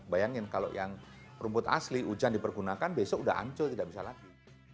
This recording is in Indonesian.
bayangin kalau yang rumput asli hujan dipergunakan besok udah hancur tidak bisa lagi